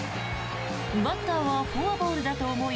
バッターはフォアボールだと思い